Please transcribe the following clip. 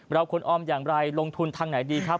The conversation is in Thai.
เราควรออมอย่างไรลงทุนทางไหนดีครับ